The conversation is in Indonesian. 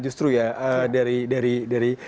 justru ya dari